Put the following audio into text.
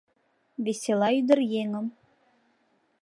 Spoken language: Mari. Весела ӱдыръеҥым.